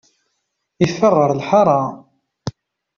Yeffeɣ ɣer lḥara.